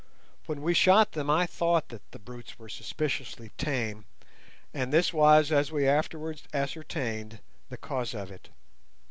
When we shot them I thought that the brutes were suspiciously tame, and this was, as we afterwards ascertained, the cause of it.